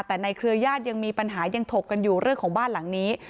แต่ในเครือญาติยังมีปัญหายังถกกันอยู่เรื่องของบ้านหลังนี้